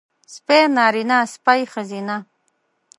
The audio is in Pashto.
سپی نارينه سپۍ ښځينۀ